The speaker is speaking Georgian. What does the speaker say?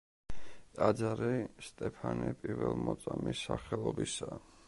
ტაძარი სტეფანე პირველმოწამის სახელობისაა.